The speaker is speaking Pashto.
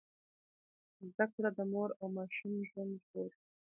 زده کړه د مور او ماشوم ژوند ژغوري۔